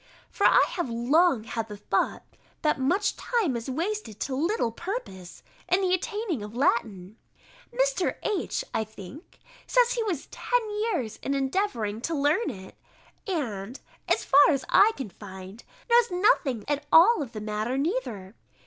For I have long had the thought, that much time is wasted to little purpose in the attaining of Latin. Mr. H., I think, says he was ten years in endeavouring to learn it, and, as far as I can find, knows nothing at all of the matter neither!